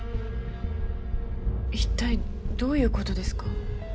一体どういう事ですか？